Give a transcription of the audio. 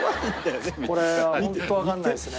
これはホントわかんないですね。